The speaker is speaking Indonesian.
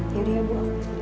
ganti ya bu